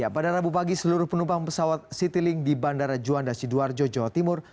pada rabu pagi seluruh penumpang pesawat citylink di bandara juanda sidoarjo jawa timur